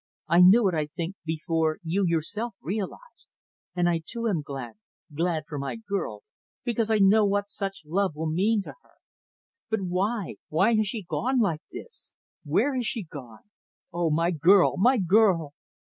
"I knew it, I think, before you, yourself, realized; and I, too, am glad glad for my girl, because I know what such a love will mean to her. But why why has she gone like this? Where has she gone? Oh, my girl, my girl!"